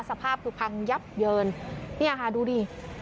สภาพคือพังยับเยินเนี่ยค่ะดูดิ